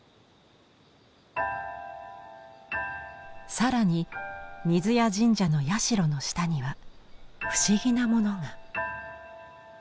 更に水谷神社の社の下には不思議なものが。